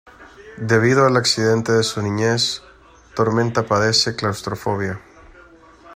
Debido al accidente de su niñez Tormenta padece claustrofobia.